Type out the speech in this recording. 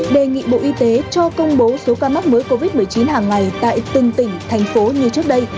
đề nghị bộ y tế cho công bố số ca mắc mới covid một mươi chín hàng ngày tại từng tỉnh thành phố như trước đây